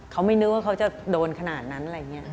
เค้าไม่นึกว่าเค้าจะโดนขนาดนั้น